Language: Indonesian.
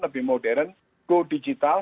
lebih modern go digital